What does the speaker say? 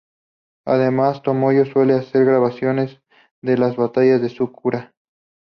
Además, Tomoyo suele hacer grabaciones de las batallas de Sakura.